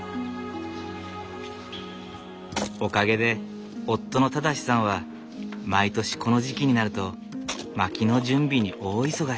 おかげで夫の正さんは毎年この時期になると薪の準備に大忙し。